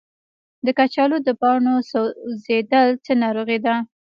د کچالو د پاڼو سوځیدل څه ناروغي ده؟